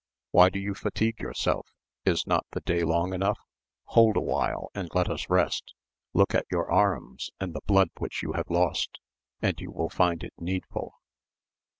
Why do you fatigue yourself? is not the day long enough ? Hold awhile and let us rest ; look at your arms and the blood which you have lost, and you will find it needful.